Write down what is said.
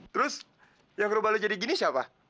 terus yang coba lo jadi gini siapa